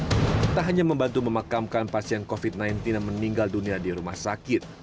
tak hanya membantu memakamkan pasien covid sembilan belas yang meninggal dunia di rumah sakit